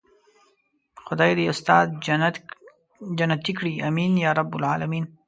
خدای دې استاد جنت کړي آمين يارب العالمين.